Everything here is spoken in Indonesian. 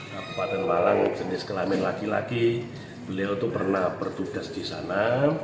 kabupaten malang jenis kelamin laki laki beliau itu pernah bertugas di sana